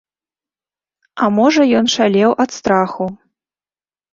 А можа ён шалеў ад страху.